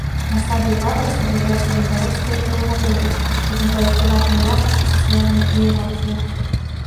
На стадыі варварства з'яўляюцца земляробства і жывёлагадоўля, узнікаюць прыватная ўласнасць і сацыяльная іерархія.